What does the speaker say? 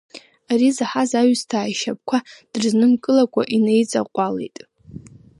Ари заҳаз аҩсҭаа ишьапқәа дрызнымкылакәа инаиҵаҟәалеит.